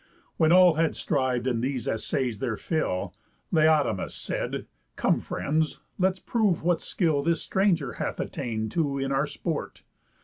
When all had striv'd in these assays their fill, Laodamas said: "Come friends, let's prove what skill This stranger hath attain'd to in our sport.